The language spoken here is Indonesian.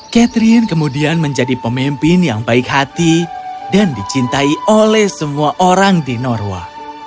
catherine kemudian menjadi pemimpin yang baik hati dan dicintai oleh semua orang di norwa